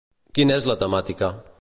Quina és la temàtica?